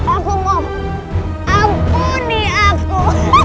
aku mohon ampuni aku